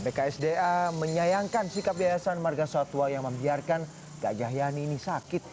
bksda menyayangkan sikap biasaan margasatwa yang membiarkan gajah yani ini sakit